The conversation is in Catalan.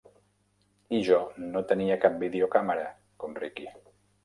I jo no tenia cap videocàmera, com Ricky.